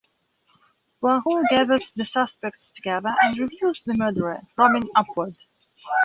Poirot gathers the suspects together and reveals the murderer - Robin Upward.